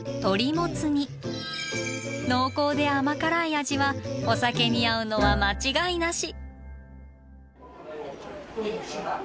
濃厚で甘辛い味はお酒に合うのは間違いなし。